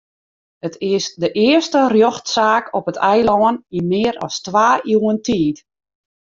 It is de earste rjochtsaak op it eilân yn mear as twa iuwen tiid.